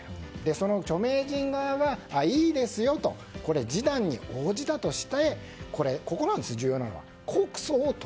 その著名人側がいいですよと示談に応じたとしてここなんです、重要なのは。